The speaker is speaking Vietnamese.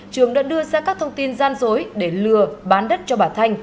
trường đã đưa ra các thông tin gian dối để lừa bán đất cho bà thanh